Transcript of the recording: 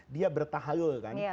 dia bertahalul kan